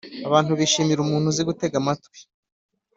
Abantu bishimira umuntu uzi gutega amatwi